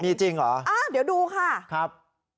มีจริงหรอครับ